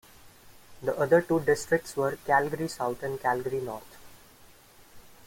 The other two districts were Calgary South and Calgary North.